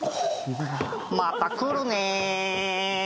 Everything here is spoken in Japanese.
また来るね！